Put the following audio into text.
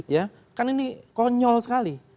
ya kan ini konyol sekali